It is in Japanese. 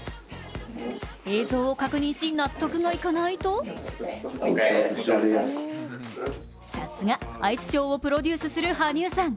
映像を確認し納得がいかないとさすが、アイスショーをプロデュースする羽生さん。